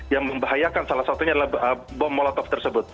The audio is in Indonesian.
yang membahayakan salah satunya adalah bom molotov tersebut